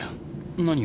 何を？